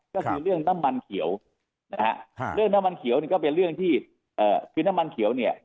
ก็คือเรื่องน้ำมันเขียวนะฮะเรื่องน้ำมันเขียวนี่ก็เป็นเรื่องที่คือน้ำมันเขียวเนี่ย